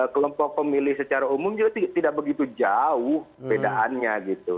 kelompok pemilih secara umum juga tidak begitu jauh bedaannya gitu